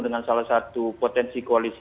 dengan salah satu potensi koalisi